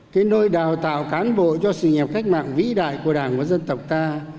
cái nơi đào tạo cán bộ cho sự nghiệp cách mạng vĩ đại của đảng và dân tộc ta